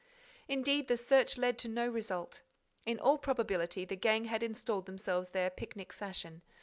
Indeed, the search led to no result. In all probability, the gang had installed themselves there picnic fashion.